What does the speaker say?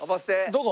どこ？